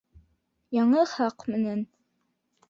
Яңы хаҡ менән